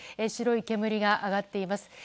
白い煙が上がっています。